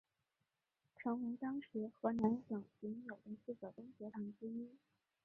成为当时河南省仅有的四所中学堂之一。